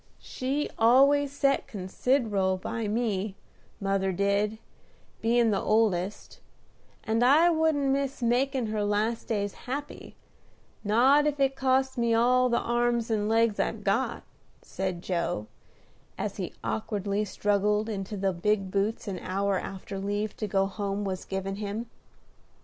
"She always set consider'ble by me, mother did, bein' the oldest; and I wouldn't miss makin' her last days happy, not if it cost me all the arms and legs I've got," said Joe, as he awkwardly struggled into the big boots an hour after leave to go home was given him.